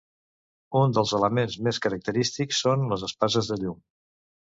Un dels elements més característics són les espases de llum.